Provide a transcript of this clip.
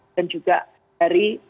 dan juga dari